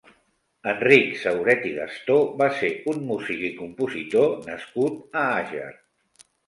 Enric Sauret i Gastó va ser un músic i compositor nascut a Àger.